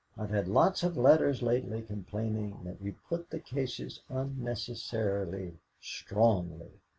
I've had lots of letters lately complaining that we put the cases unnecessarily strongly.